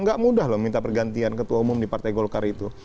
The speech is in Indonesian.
nggak mudah loh minta pergantian ketua umum di partai golkar itu